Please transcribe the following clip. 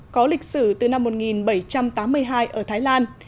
có lịch sử từ năm một nghìn bảy trăm tám mươi hai ở thái lan